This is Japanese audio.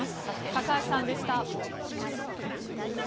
高橋さんでした。